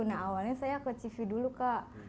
nah awalnya saya ke cv dulu kak